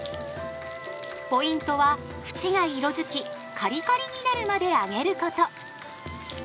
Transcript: ポイントは縁が色づきカリカリになるまで揚げること！